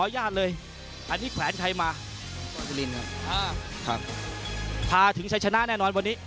อเจมส์พาถึงใช้ชนะแน่นอนวันนี้